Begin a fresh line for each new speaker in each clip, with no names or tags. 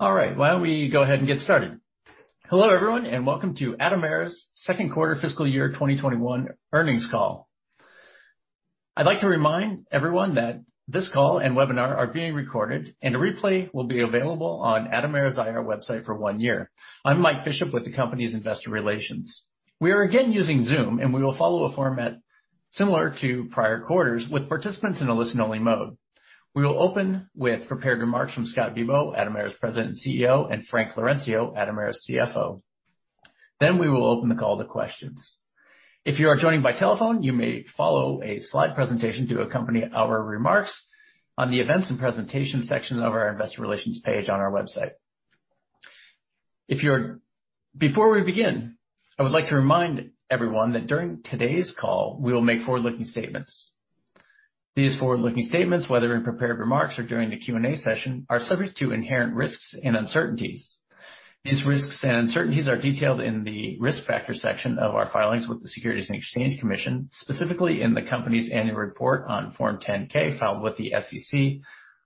All right, why don't we go ahead and get started? Hello, everyone, welcome to Atomera's Q2 FY 2021 earnings call. I'd like to remind everyone that this call and webinar are being recorded, and a replay will be available on Atomera's IR website for one year. I'm Mike Bishop with the company's Investor Relations. We are again using Zoom, and we will follow a format similar to prior quarters with participants in a listen-only mode. We will open with prepared remarks from Scott Bibaud, Atomera's President and CEO, and Frank Laurencio, Atomera's CFO. We will open the call to questions. If you are joining by telephone, you may follow a slide presentation to accompany our remarks on the events and presentation section of our Investor Relations page on our website. Before we begin, I would like to remind everyone that during today's call, we will make forward-looking statements. These forward-looking statements, whether in prepared remarks or during the Q&A session, are subject to inherent risks and uncertainties. These risks and uncertainties are detailed in the risk factors section of our filings with the Securities and Exchange Commission, specifically in the company's annual report on Form 10-K filed with the SEC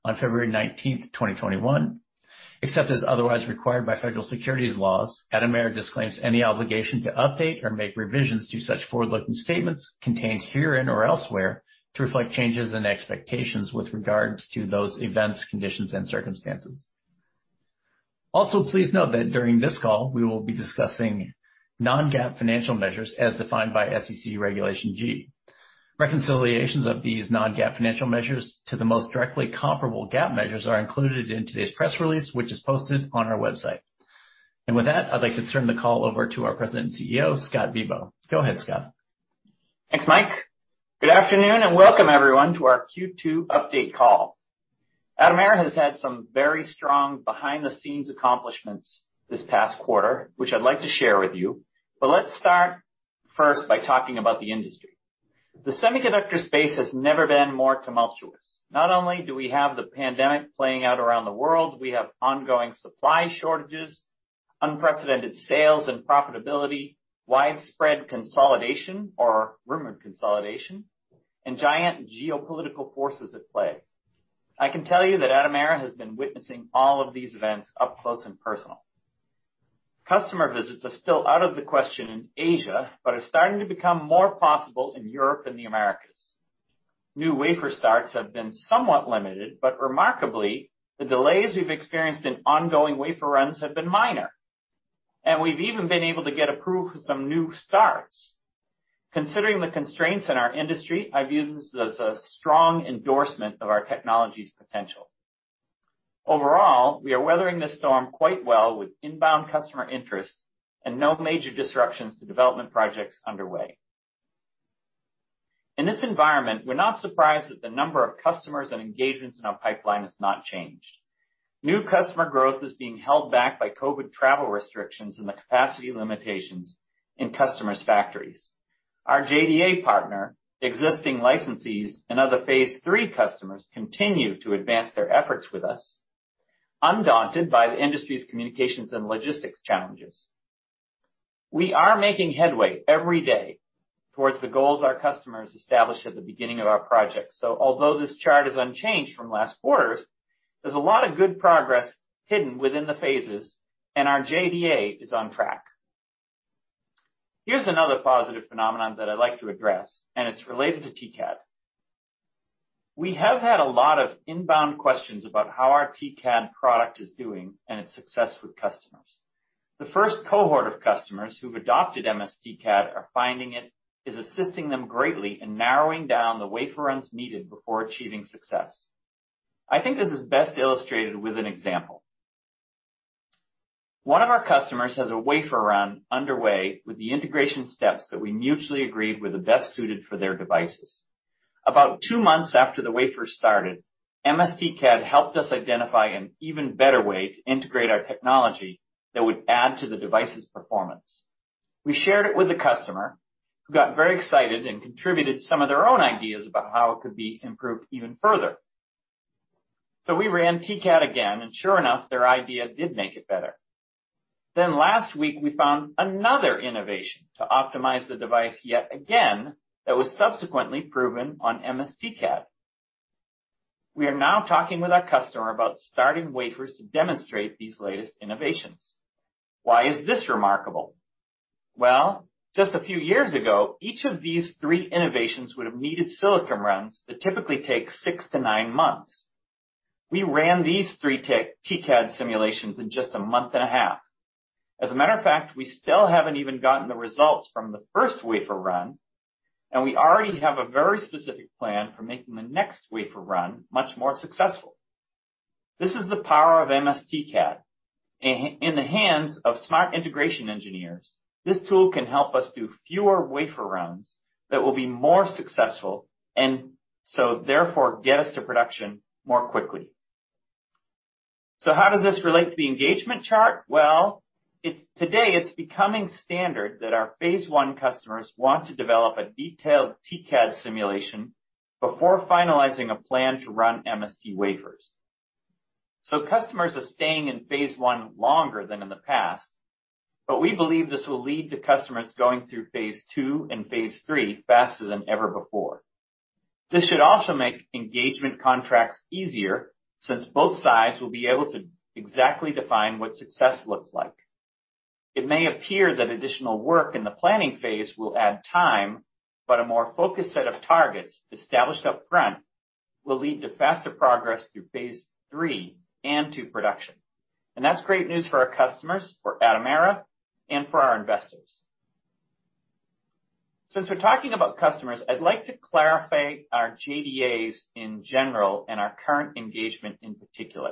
on February 19th, 2021. Except as otherwise required by federal securities laws, Atomera disclaims any obligation to update or make revisions to such forward-looking statements contained herein or elsewhere to reflect changes in expectations with regards to those events, conditions and circumstances. Please note that during this call, we will be discussing non-GAAP financial measures as defined by SEC Regulation G. Reconciliations of these non-GAAP financial measures to the most directly comparable GAAP measures are included in today's press release, which is posted on our website. With that, I'd like to turn the call over to our President and CEO, Scott Bibaud. Go ahead, Scott.
Thanks, Mike. Good afternoon, welcome, everyone, to our Q2 update call. Atomera has had some very strong behind-the-scenes accomplishments this past quarter, which I'd like to share with you. Let's start first by talking about the industry. The semiconductor space has never been more tumultuous. Not only do we have the pandemic playing out around the world, we have ongoing supply shortages, unprecedented sales and profitability, widespread consolidation or rumored consolidation, and giant geopolitical forces at play. I can tell you that Atomera has been witnessing all of these events up close and personal. Customer visits are still out of the question in Asia, but are starting to become more possible in Europe and the Americas. New wafer starts have been somewhat limited, but remarkably, the delays we've experienced in ongoing wafer runs have been minor, and we've even been able to get approved for some new starts. Considering the constraints in our industry, I view this as a strong endorsement of our technology's potential. Overall, we are weathering this storm quite well with inbound customer interest and no major disruptions to development projects underway. In this environment, we're not surprised that the number of customers and engagements in our pipeline has not changed. New customer growth is being held back by COVID travel restrictions and the capacity limitations in customers' factories. Our JDA partner, existing licensees, and other phase III customers continue to advance their efforts with us, undaunted by the industry's communications and logistics challenges. We are making headway every day towards the goals our customers established at the beginning of our project. Although this chart is unchanged from last quarter's, there's a lot of good progress hidden within the phases, and our JDA is on track. Here's another positive phenomenon that I'd like to address, and it's related to TCAD. We have had a lot of inbound questions about how our TCAD product is doing and its success with customers. The first cohort of customers who've adopted MSTcad are finding it is assisting them greatly in narrowing down the wafer runs needed before achieving success. I think this is best illustrated with an example. One of our customers has a wafer run underway with the integration steps that we mutually agreed were the best suited for their devices. About two months after the wafer started, MSTcad helped us identify an even better way to integrate our technology that would add to the device's performance. We shared it with the customer, who got very excited and contributed some of their own ideas about how it could be improved even further. We ran TCAD again, and sure enough, their idea did make it better. Last week, we found another innovation to optimize the device yet again that was subsequently proven on MST TCAD. We are now talking with our customer about starting wafers to demonstrate these latest innovations. Why is this remarkable? Just a few years ago, each of these three innovations would've needed silicon runs that typically take six to nine months. We ran these three TCAD simulations in just a month and a half. As a matter of fact, we still haven't even gotten the results from the first wafer run, and we already have a very specific plan for making the next wafer run much more successful. This is the power of MST TCAD. In the hands of smart integration engineers, this tool can help us do fewer wafer runs that will be more successful, and so therefore, get us to production more quickly. How does this relate to the engagement chart? Well, today it's becoming standard that our phase I customers want to develop a detailed TCAD simulation before finalizing a plan to run MST wafers. Customers are staying in phase I longer than in the past, but we believe this will lead to customers going through phase II and phase III faster than ever before. This should also make engagement contracts easier, since both sides will be able to exactly define what success looks like. It may appear that additional work in the planning phase will add time, but a more focused set of targets established up front will lead to faster progress through phase III and to production. That's great news for our customers, for Atomera, and for our investors. Since we're talking about customers, I'd like to clarify our JDAs in general and our current engagement in particular.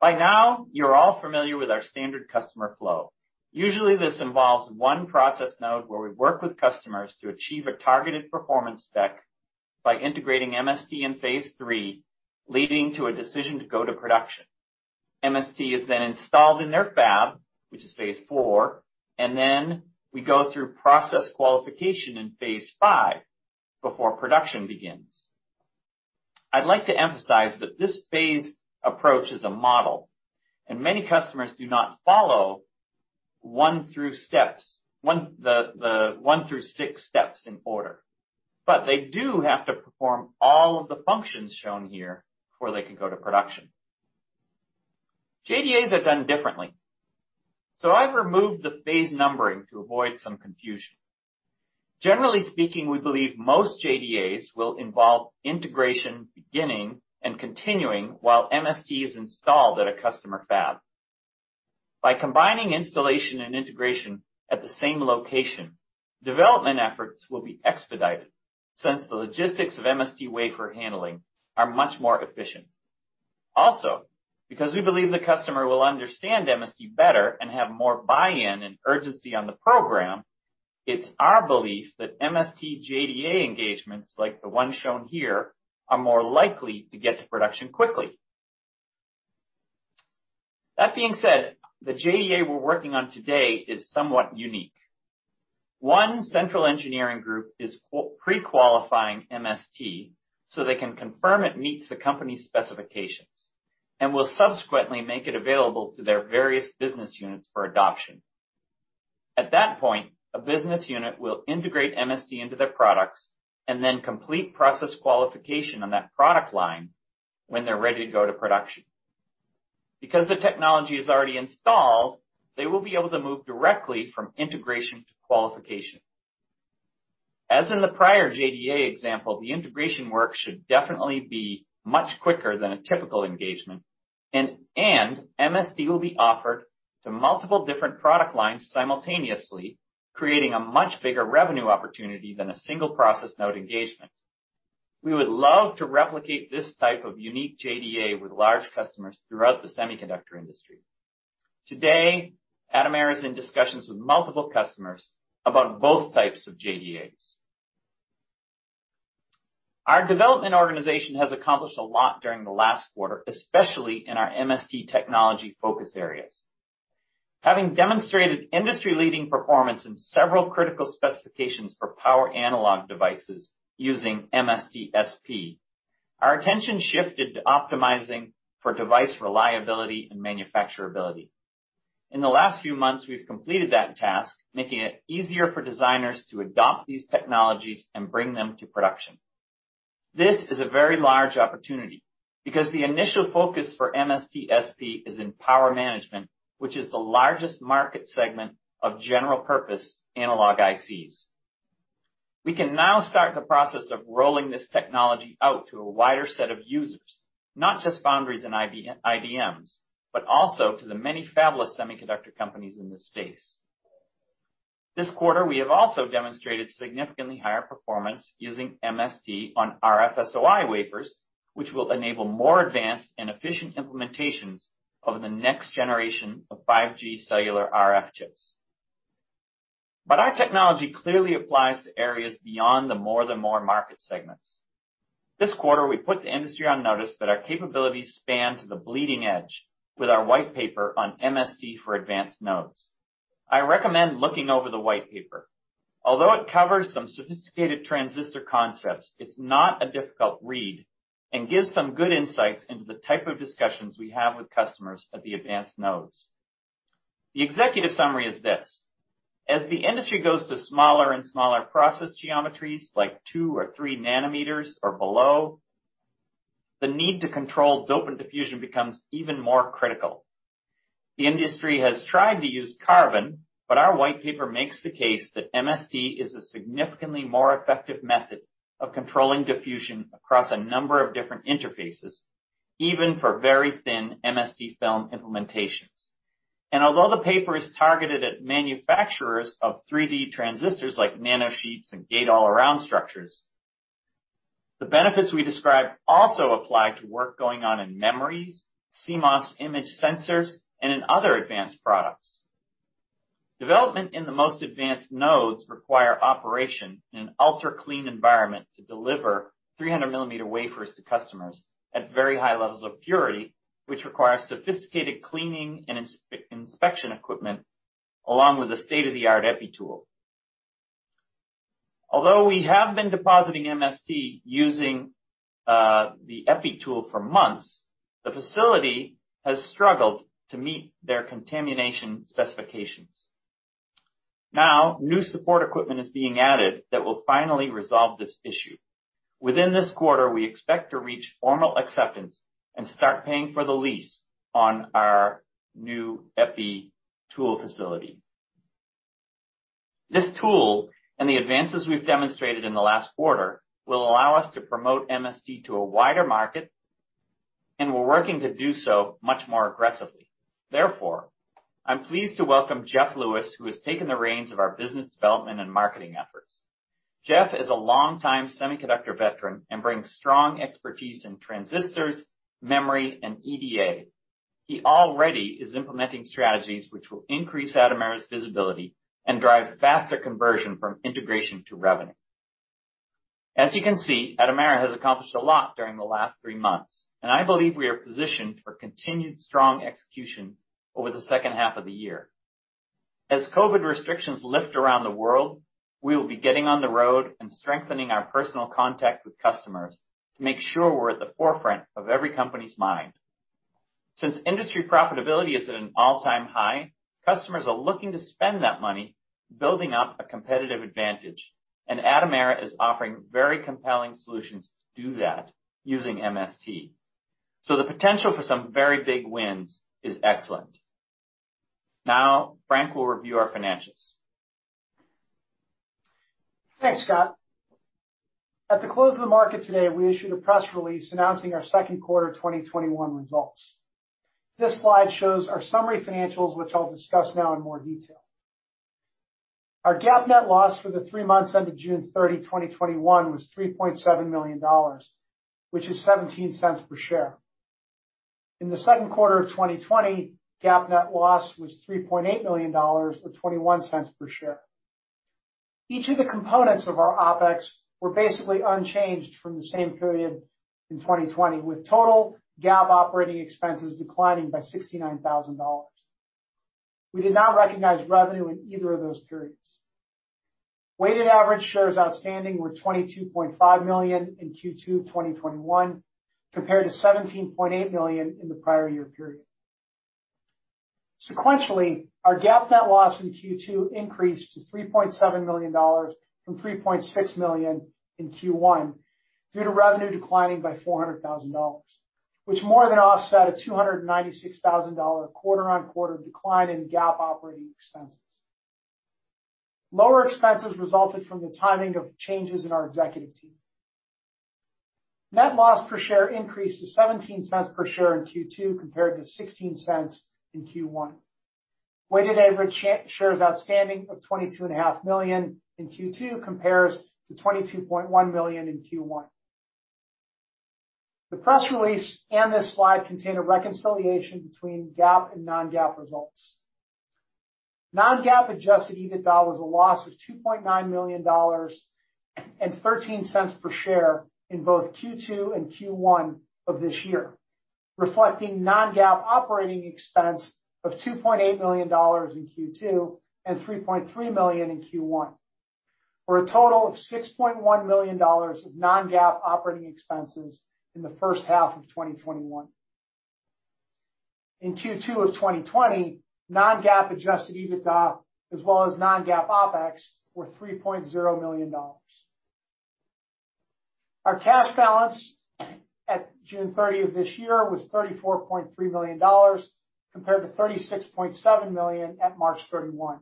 By now you're all familiar with our standard customer flow. Usually, this involves one process node where we work with customers to achieve a targeted performance spec by integrating MST in phase III, leading to a decision to go to production. MST is then installed in their fab, which is phase IV, then we go through process qualification in phase V before production begins. I'd like to emphasize that this phase approach is a model, many customers do not follow the one through six steps in order. They do have to perform all of the functions shown here before they can go to production. JDAs are done differently, so I've removed the phase numbering to avoid some confusion. Generally speaking, we believe most JDAs will involve integration beginning and continuing while MST is installed at a customer fab. By combining installation and integration at the same location, development efforts will be expedited since the logistics of MST wafer handling are much more efficient. Also, because we believe the customer will understand MST better and have more buy-in and urgency on the program, it's our belief that MST JDA engagements, like the one shown here, are more likely to get to production quickly. That being said, the JDA we're working on today is somewhat unique. One central engineering group is pre-qualifying MST so they can confirm it meets the company's specifications, and will subsequently make it available to their various business units for adoption. At that point, a business unit will integrate MST into their products and then complete process qualification on that product line when they're ready to go to production. Because the technology is already installed, they will be able to move directly from integration to qualification. As in the prior JDA example, the integration work should definitely be much quicker than a typical engagement, and MST will be offered to multiple different product lines simultaneously, creating a much bigger revenue opportunity than a single process node engagement. We would love to replicate this type of unique JDA with large customers throughout the semiconductor industry. Today, Atomera is in discussions with multiple customers about both types of JDAs. Our development organization has accomplished a lot during the last quarter, especially in our MST technology focus areas. Having demonstrated industry-leading performance in several critical specifications for power analog devices using MST-SP, our attention shifted to optimizing for device reliability and manufacturability. In the last few months, we've completed that task, making it easier for designers to adopt these technologies and bring them to production. This is a very large opportunity because the initial focus for MST-SP is in power management, which is the largest market segment of general purpose analog ICs. We can now start the process of rolling this technology out to a wider set of users, not just foundries and IDMs, but also to the many fabless semiconductor companies in this space. This quarter, we have also demonstrated significantly higher performance using MST on RF SOI wafers, which will enable more advanced and efficient implementations of the next generation of 5G cellular RF chips. Our technology clearly applies to areas beyond the More than more market segments. This quarter, we put the industry on notice that our capabilities span to the bleeding edge with our white paper on MST for advanced nodes. I recommend looking over the white paper. Although it covers some sophisticated transistor concepts, it's not a difficult read and gives some good insights into the type of discussions we have with customers at the advanced nodes. The executive summary is this: as the industry goes to smaller and smaller process geometries, like 2nm or 3 nm or below, the need to control dopant diffusion becomes even more critical. The industry has tried to use carbon, our white paper makes the case that MST is a significantly more effective method of controlling diffusion across a number of different interfaces, even for very thin MST film implementations. Although the paper is targeted at manufacturers of 3D transistors like nanosheets and gate-all-around structures, the benefits we describe also apply to work going on in memories, CMOS image sensors, and in other advanced products. Development in the most advanced nodes require operation in an ultra-clean environment to deliver 300 mm wafers to customers at very high levels of purity, which requires sophisticated cleaning and inspection equipment along with a state-of-the-art epi tool. Although we have been depositing MST using the epi tool for months, the facility has struggled to meet their contamination specifications. Now, new support equipment is being added that will finally resolve this issue. Within this quarter, we expect to reach formal acceptance and start paying for the lease on our new epi tool facility. This tool, and the advances we've demonstrated in the last quarter, will allow us to promote MST to a wider market, and we're working to do so much more aggressively. Therefore, I'm pleased to welcome Jeff Lewis, who has taken the reins of our business development and marketing efforts. Jeff is a longtime semiconductor veteran and brings strong expertise in transistors, memory, and EDA. He already is implementing strategies which will increase Atomera's visibility and drive faster conversion from integration to revenue. As you can see, Atomera has accomplished a lot during the last three months, and I believe we are positioned for continued strong execution over the second half of the year. As COVID restrictions lift around the world, we will be getting on the road and strengthening our personal contact with customers to make sure we're at the forefront of every company's mind. Since industry profitability is at an all-time high, customers are looking to spend that money building up a competitive advantage, and Atomera is offering very compelling solutions to do that using MST. The potential for some very big wins is excellent. Frank will review our financials.
Thanks, Scott. At the close of the market today, we issued a press release announcing our Q2 2021 results. This slide shows our summary financials, which I'll discuss now in more detail. Our GAAP net loss for the three months ended June 30, 2021, was $3.7 million, which is $0.17 per share. In the Q2 of 2020, GAAP net loss was $3.8 million, or $0.21 per share. Each of the components of our OPEX were basically unchanged from the same period in 2020, with total GAAP operating expenses declining by $69,000. We did not recognize revenue in either of those periods. Weighted average shares outstanding were 22.5 million in Q2 2021, compared to 17.8 million in the prior year period. Sequentially, our GAAP net loss in Q2 increased to $3.7 million from $3.6 million in Q1 due to revenue declining by $400,000, which more than offset a $296,000 quarter-over-quarter decline in GAAP operating expenses. Lower expenses resulted from the timing of changes in our executive team. Net loss per share increased to $0.17 per share in Q2 compared to $0.16 in Q1. Weighted average shares outstanding of 22.5 million in Q2 compares to 22.1 million in Q1. The press release and this slide contain a reconciliation between GAAP and non-GAAP results. Non-GAAP adjusted EBITDA was a loss of $2.9 million and $0.13 per share in both Q2 and Q1 of this year, reflecting non-GAAP operating expense of $2.8 million in Q2 and $3.3 million in Q1. For a total of $6.1 million of non-GAAP operating expenses in the H1 of 2021. In Q2 of 2020, non-GAAP adjusted EBITDA, as well as non-GAAP OPEX, were $3.0 million. Our cash balance at June 30 of this year was $34.3 million, compared to $36.7 million at March 31.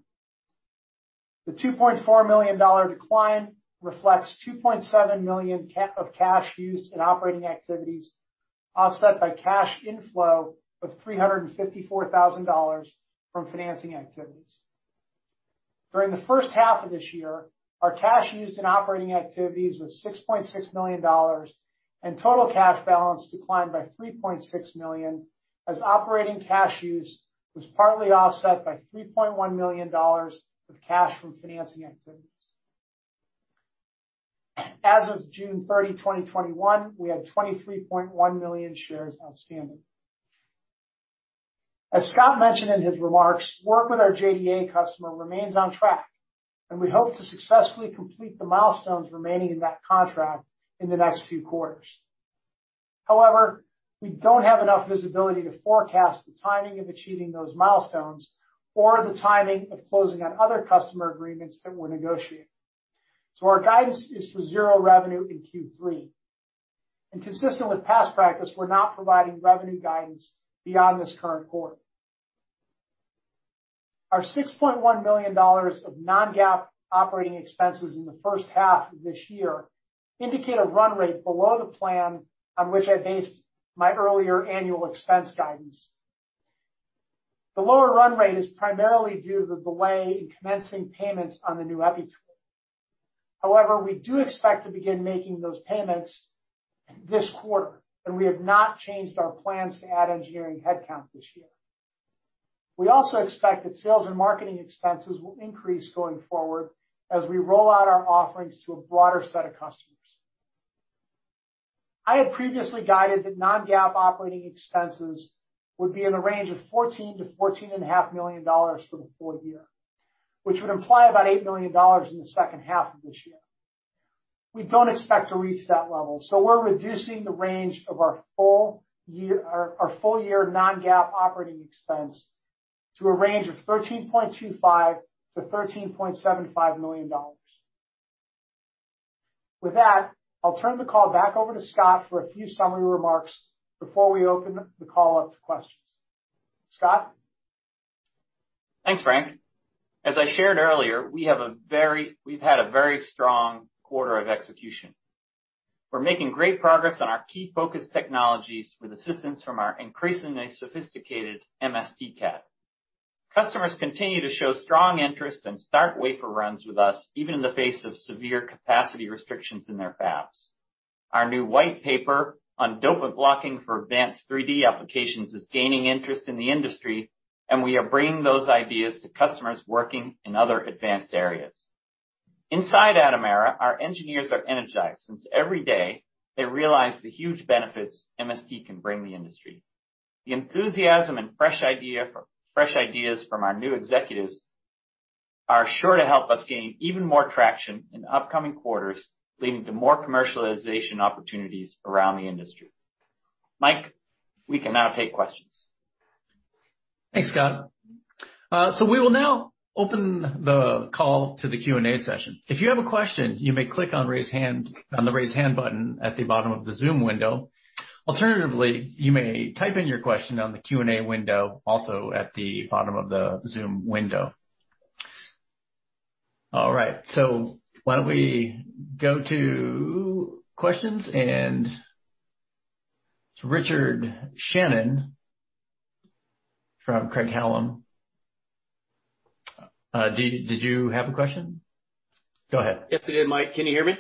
The $2.4 million decline reflects $2.7 million of cash used in operating activities, offset by cash inflow of $354,000 from financing activities. During the H1 of this year, our cash used in operating activities was $6.6 million, and total cash balance declined by $3.6 million, as operating cash use was partly offset by $3.1 million of cash from financing activities. As of June 30, 2021, we had 23.1 million shares outstanding. As Scott mentioned in his remarks, work with our JDA customer remains on track, and we hope to successfully complete the milestones remaining in that contract in the next few quarters. However, we don't have enough visibility to forecast the timing of achieving those milestones or the timing of closing on other customer agreements that we're negotiating. Our guidance is for zero revenue in Q3. Consistent with past practice, we're not providing revenue guidance beyond this current quarter. Our $6.1 million of non-GAAP operating expenses in the first half of this year indicate a run rate below the plan on which I based my earlier annual expense guidance. The lower run rate is primarily due to the delay in commencing payments on the new epi tool. However, we do expect to begin making those payments this quarter, and we have not changed our plans to add engineering headcount. We also expect that sales and marketing expenses will increase going forward as we roll out our offerings to a broader set of customers. I had previously guided that non-GAAP operating expenses would be in the range of $14 million-$14.5 million for the full year, which would imply about $8 million in the H2 of this year. We don't expect to reach that level, we're reducing the range of our full year non-GAAP operating expense to a range of $13.25 million-$13.75 million. With that, I'll turn the call back over to Scott for a few summary remarks before we open the call up to questions. Scott?
Thanks, Frank. As I shared earlier, we've had a very strong quarter of execution. We're making great progress on our key focus technologies with assistance from our increasingly sophisticated MSTcad. Customers continue to show strong interest and start wafer runs with us, even in the face of severe capacity restrictions in their fabs. Our new white paper on dopant blocking for advanced 3D applications is gaining interest in the industry, and we are bringing those ideas to customers working in other advanced areas. Inside Atomera, our engineers are energized since every day they realize the huge benefits MST can bring the industry. The enthusiasm and fresh ideas from our new executives are sure to help us gain even more traction in upcoming quarters, leading to more commercialization opportunities around the industry. Mike, we can now take questions.
Thanks, Scott. We will now open the call to the Q&A session. If you have a question, you may click on the raise hand button at the bottom of the Zoom window. Alternatively, you may type in your question on the Q&A window, also at the bottom of the Zoom window. All right, why don't we go to questions, it's Richard Shannon from Craig-Hallum. Did you have a question? Go ahead.
Yes, I did, Mike, can you hear me?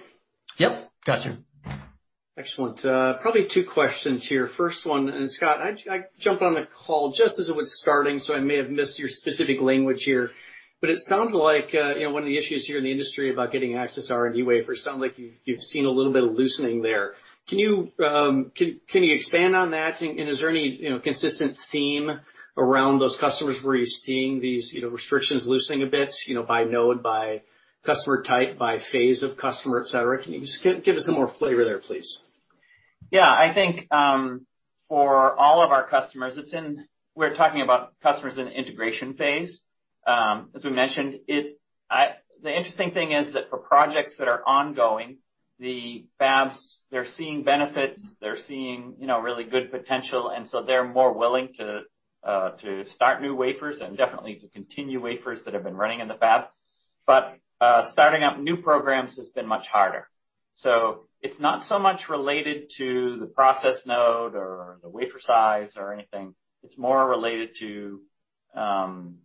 Yep, got you.
Excellent. Probably two questions here. First one, Scott, I jumped on the call just as it was starting, so I may have missed your specific language here, but it sounds like one of the issues here in the industry about getting access to R&D wafers, sound like you've seen a little bit of loosening there. Can you expand on that? Is there any consistent theme around those customers where you're seeing these restrictions loosening a bit, by node, by customer type, by phase of customer, et cetera? Can you just give us some more flavor there, please?
I think for all of our customers, we're talking about customers in integration phase. As we mentioned, the interesting thing is that for projects that are ongoing, the fabs, they're seeing benefits, they're seeing really good potential. They're more willing to start new wafers and definitely to continue wafers that have been running in the fab. Starting up new programs has been much harder. It's not so much related to the process node or the wafer size or anything. It's more related to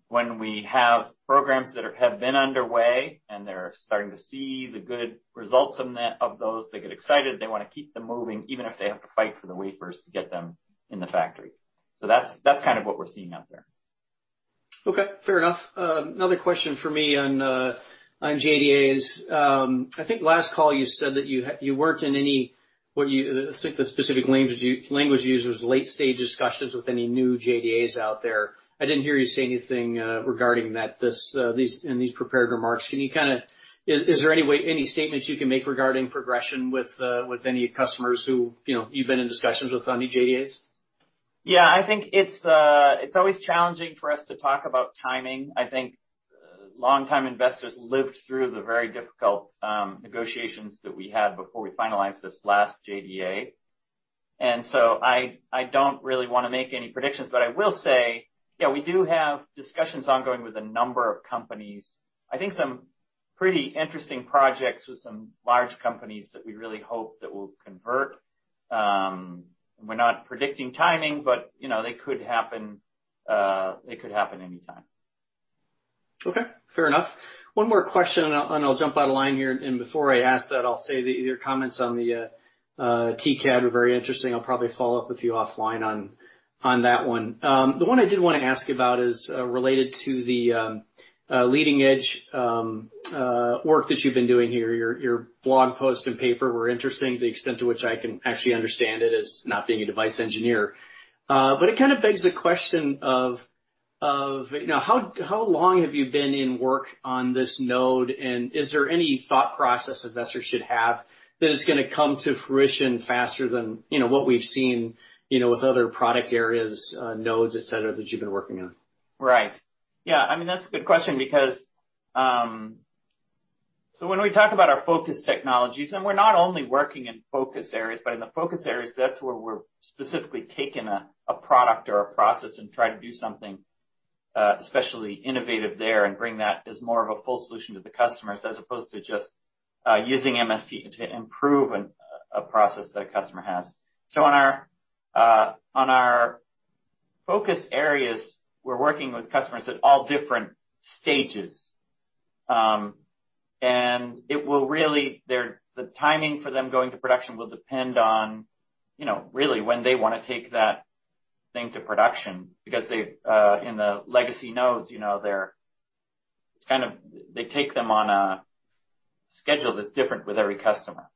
when we have programs that have been underway, and they're starting to see the good results of those, they get excited, they want to keep them moving, even if they have to fight for the wafers to get them in the factory. That's kind of what we're seeing out there.
Fair enough. Another question for me on JDAs. I think last call you said that you weren't in any, I think the specific language you used was late-stage discussions with any new JDAs out there. I didn't hear you say anything regarding that in these prepared remarks. Is there any way, any statements you can make regarding progression with any customers who you've been in discussions with on the JDAs?
Yeah, I think it's always challenging for us to talk about timing. I think longtime investors lived through the very difficult negotiations that we had before we finalized this last JDA. I don't really want to make any predictions, but I will say, yeah, we do have discussions ongoing with a number of companies. I think some pretty interesting projects with some large companies that we really hope that will convert. We're not predicting timing, but they could happen anytime.
Okay, fair enough. One more question, and I'll jump out of line here, and before I ask that, I'll say that your comments on the TCAD were very interesting. I'll probably follow up with you offline on that one. The one I did want to ask about is related to the leading edge work that you've been doing here. Your blog post and paper were interesting to the extent to which I can actually understand it as not being a device engineer. It kind of begs the question of how long have you been in work on this node, and is there any thought process investors should have that is going to come to fruition faster than what we've seen with other product areas, nodes, et cetera, that you've been working on?
Right. Yeah, that's a good question because when we talk about our focus technologies, we're not only working in focus areas, but in the focus areas, that's where we're specifically taking a product or a process and try to do something especially innovative there and bring that as more of a full solution to the customers, as opposed to just using MST to improve a process that a customer has. On our focus areas, we're working with customers at all different stages. The timing for them going to production will depend on really when they want to take that thing to production, because in the legacy nodes, they take them on a schedule that's different with every customer.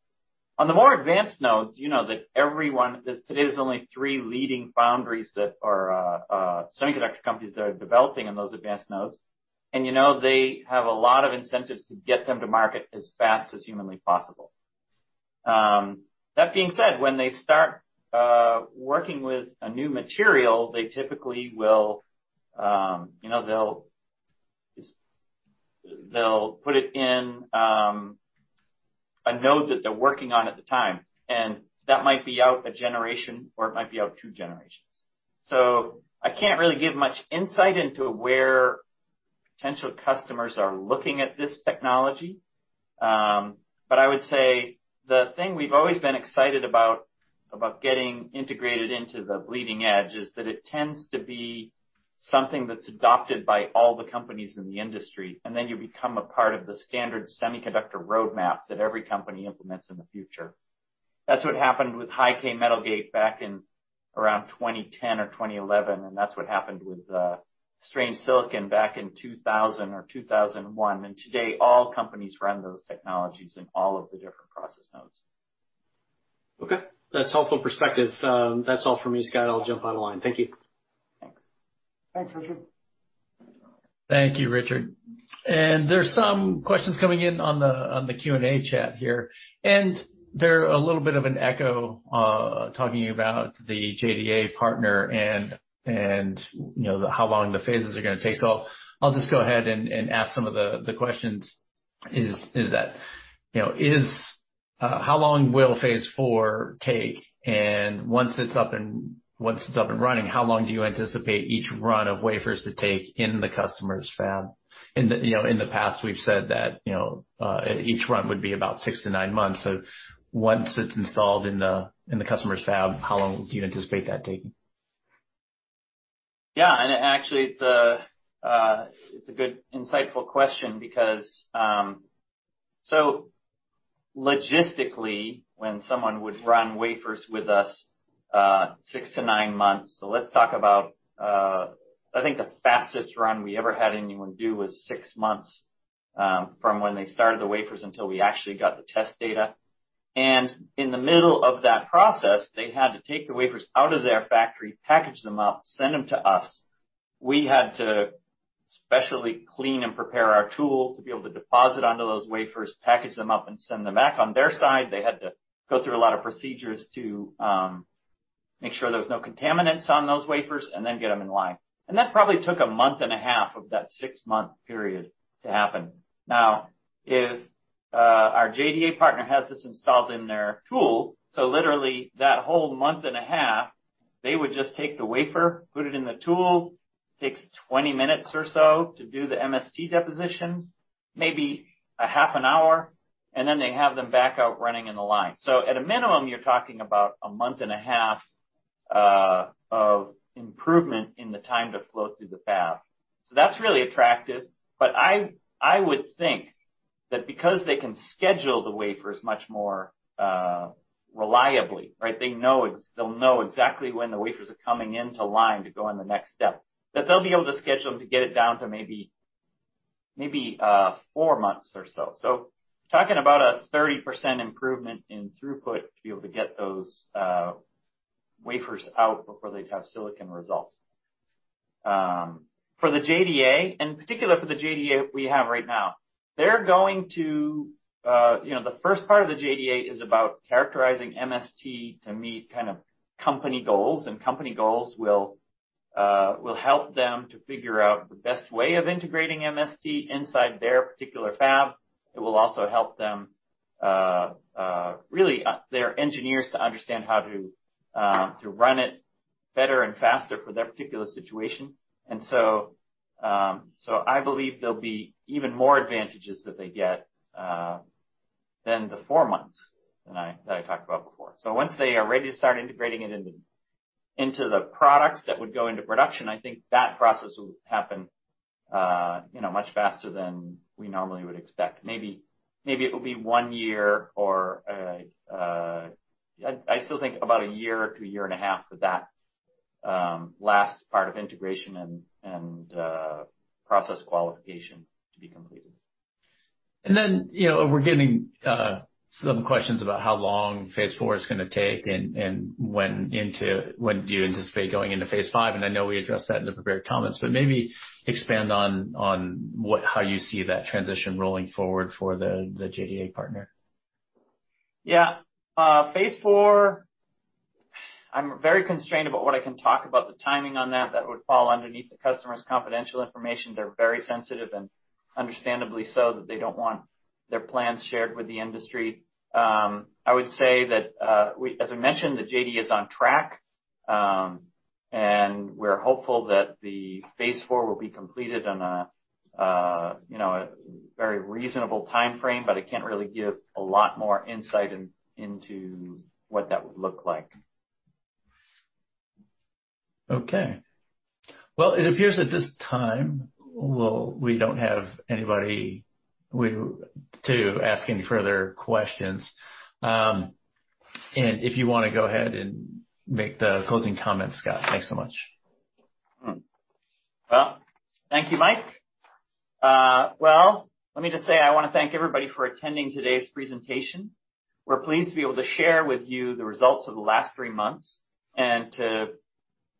On the more advanced nodes, you know that today there's only three leading foundries that are semiconductor companies that are developing on those advanced nodes. They have a lot of incentives to get them to market as fast as humanly possible. That being said, when they start working with a new material, they'll put it in a node that they're working on at the time, that might be out a generation, or it might be out two generations. I can't really give much insight into where potential customers are looking at this technology. I would say the thing we've always been excited about getting integrated into the bleeding edge is that it tends to be something that's adopted by all the companies in the industry, you become a part of the standard semiconductor roadmap that every company implements in the future. That's what happened with high-k metal gate back in around 2010 or 2011, that's what happened with strained silicon back in 2000 or 2001. Today, all companies run those technologies in all of the different process nodes.
Okay. That's helpful perspective. That's all for me, Scott. I'll jump online. Thank you.
Thanks.
Thanks, Richard.
Thank you, Richard. There's some questions coming in on the Q&A chat here, and they're a little bit of an echo, talking about the JDA partner and how long the phases are going to take. I'll just go ahead and ask some of the questions. How long will phase IV take? Once it's up and running, how long do you anticipate each run of wafers to take in the customer's fab? In the past we've said that each run would be about six to nine months. Once it's installed in the customer's fab, how long do you anticipate that taking?
Yeah, actually it's a good, insightful question because, logistically, when someone would run wafers with us, six to nine months. Let's talk about, I think the fastest run we ever had anyone do was six months, from when they started the wafers until we actually got the test data. In the middle of that process, they had to take the wafers out of their factory, package them up, send them to us. We had to specially clean and prepare our tool to be able to deposit onto those wafers, package them up and send them back. On their side, they had to go through a lot of procedures to make sure there was no contaminants on those wafers and then get them in line. That probably took a month and a half of that six-month period to happen. If our JDA partner has this installed in their tool, literally that whole month and a half, they would just take the wafer, put it in the tool, takes 20 minutes or so to do the MST deposition, maybe a half an hour, and then they have them back out running in the line. At a minimum, you're talking about a month and a half of improvement in the time to flow through the fab. That's really attractive. I would think that because they can schedule the wafers much more reliably, right? They'll know exactly when the wafers are coming into line to go on the next step, that they'll be able to schedule them to get it down to maybe four months or so. Talking about a 30% improvement in throughput to be able to get those wafers out before they have silicon results. For the JDA, and in particular for the JDA we have right now, the first part of the JDA is about characterizing MST to meet company goals. Company goals will help them to figure out the best way of integrating MST inside their particular fab. It will also help their engineers to understand how to run it better and faster for their particular situation. I believe there'll be even more advantages that they get than the four months that I talked about before. Once they are ready to start integrating it into the products that would go into production, I think that process will happen much faster than we normally would expect. Maybe it will be one year or I still think about a year to a year and a half for that last part of integration and process qualification to be completed.
We're getting some questions about how long phase IV is going to take and when do you anticipate going into phase V? I know we addressed that in the prepared comments, but maybe expand on how you see that transition rolling forward for the JDA partner.
Yeah. Phase IV, I'm very constrained about what I can talk about the timing on that. That would fall underneath the customer's confidential information. They're very sensitive, and understandably so, that they don't want their plans shared with the industry. I would say that, as I mentioned, the JDA is on track. We're hopeful that the phase IV will be completed in a very reasonable timeframe, but I can't really give a lot more insight into what that would look like.
Okay. Well, it appears at this time, we don't have anybody to ask any further questions. If you want to go ahead and make the closing comments, Scott. Thanks so much.
Well, thank you, Mike. Well, let me just say I want to thank everybody for attending today's presentation. We're pleased to be able to share with you the results of the last three months and to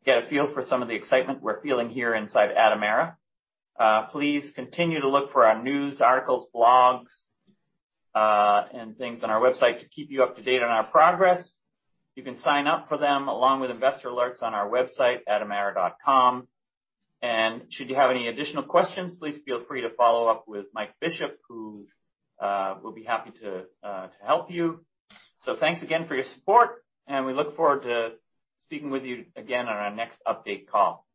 get a feel for some of the excitement we're feeling here inside Atomera. Please continue to look for our news articles, blogs, and things on our website to keep you up to date on our progress. You can sign up for them along with investor alerts on our website, atomera.com. Should you have any additional questions, please feel free to follow up with Mike Bishop, who will be happy to help you. Thanks again for your support, and we look forward to speaking with you again on our next update call.